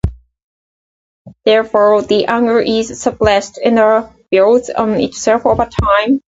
Therefore, the anger is suppressed and builds on itself over time.